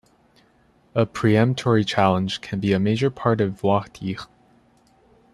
A peremptory challenge can be a major part of "voir dire".